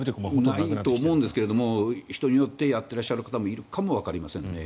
ないと思うんですけど人によってやっていらっしゃる方もいるかもしれませんね。